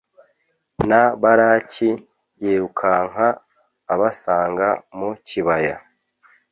na baraki yirukanka abasanga mu kibaya